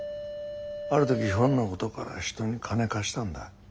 ある時ひょんなことから人に金貸したんだ。